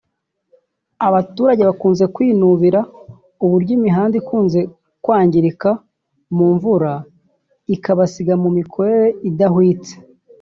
Abaturage bakunze kwinubira uburyo imihanda ikunze kwangirika mu mvura ikabasiga mu mikorere idahwitse